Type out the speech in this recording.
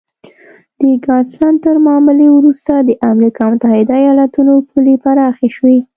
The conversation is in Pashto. د ګاډسن تر معاملې وروسته د امریکا متحده ایالتونو پولې پراخې شوې.